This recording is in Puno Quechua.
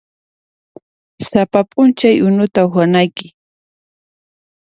Sapa p'unchay unuta uhanayki.